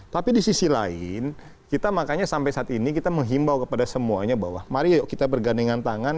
tapi di sisi lain kita makanya sampai saat ini kita menghimbau kepada semuanya bahwa mari yuk kita bergandengan tangan